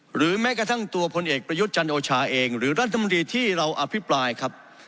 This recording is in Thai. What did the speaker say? หรือแม้กระทั่งตัวพลเอกประยุทธ์จันโอชาเองหรือรัฐมนตรีที่เราอภิปรายครับ